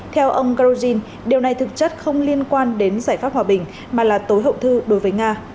theo ông galugin điều này thực chất không liên quan đến giải pháp hòa bình mà là tối hậu thư đối với nga